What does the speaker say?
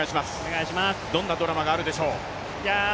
どんなドラマがあるでしょう。